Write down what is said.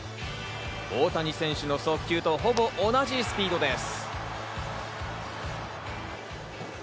大谷選手の速球とほぼ同じスピードです。